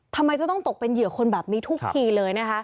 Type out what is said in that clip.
ทำไมจะต้องตกเป็นเหยื่อคนแบบนี้ทุกทีเลยนะคะ